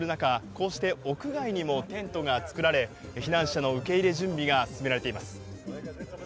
こうして屋外にもテントが作られ避難者の受け入れ準備が進められています。